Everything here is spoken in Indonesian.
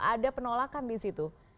ada penolakan disitu